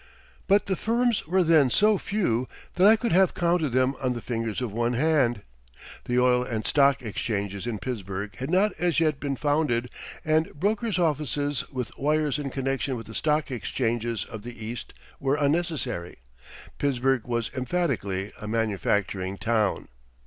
But the firms were then so few that I could have counted them on the fingers of one hand. The Oil and Stock Exchanges in Pittsburgh had not as yet been founded and brokers' offices with wires in connection with the stock exchanges of the East were unnecessary. Pittsburgh was emphatically a manufacturing town.